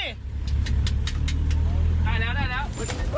ได้แล้วได้แล้วโอ้โหพี่เนยพอพี่หิน